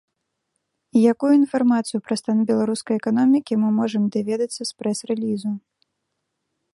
І якую інфармацыю пра стан беларускай эканомікі мы можам даведацца з прэс-рэлізу?